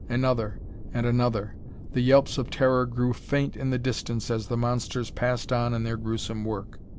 Another and another! The yelps of terror grew faint in the distance as the monsters passed on in their gruesome work.